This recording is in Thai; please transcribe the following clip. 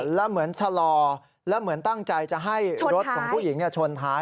แล้วเหมือนชะลอแล้วเหมือนตั้งใจจะให้รถของผู้หญิงชนท้าย